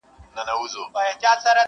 ډېر شتمن دئ تل سمسوره او ښېراز دئ!!